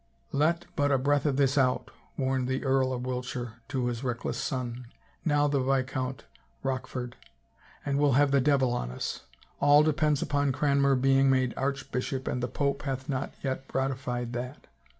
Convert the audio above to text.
" Let but a breath of this out," warned the Earl of Wiltshire to his reckless son, now the Viscount Roch f ord, " and we'll have the devil on us ! All depends upon Cranmer being made archbishop and the pope hath not yet ratified that.